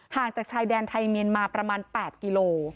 จากชายแดนไทยเมียนมาประมาณ๘กิโล